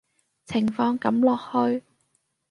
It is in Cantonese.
情況噉落去